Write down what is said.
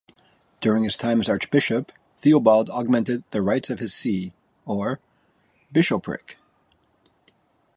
During his time as archbishop Theobald augmented the rights of his see, or bishopric.